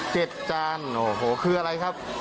จานโอ้โหคืออะไรครับ